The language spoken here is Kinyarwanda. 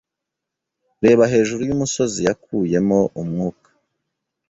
Reba hejuru yumusozi yakuyemo umwuka.